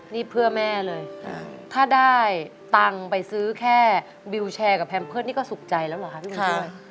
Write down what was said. นี่เพื่อแม่เลยถ้าได้ตังค์ไปซื้อแค่วิวแชร์กับแพมเพิร์ตนี่ก็สุขใจแล้วเหรอคะพี่บุญช่วย